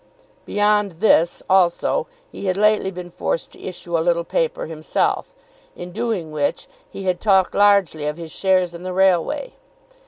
Beyond this, also, he had lately been forced to issue a little paper himself, in doing which he had talked largely of his shares in the railway.